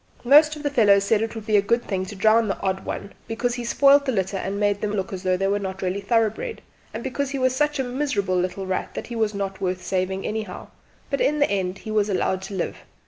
Most of the fellows said it would be a good thing to drown the odd one because he spoilt the litter and made them look as though they were not really thorough¬bred, and because he was such a miserable little rat that he was not worth saving anyhow; but in the end he was allowed to live.